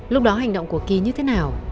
lúc đó hành động của kì như thế nào